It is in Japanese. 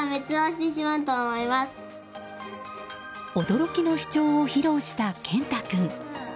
驚きの主張を披露したけんた君。